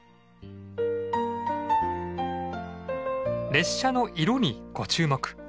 列車の色にご注目！